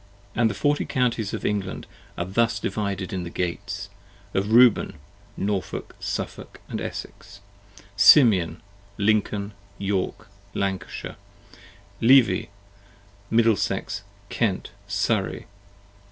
And the Forty Counties of England are thus divided in the Gates: Of Reuben, Norfolk, Suffolk, Essex. Simeon, Lincoln, York, Lancashire. 45 Levi, Middlesex, Kent, Surrey.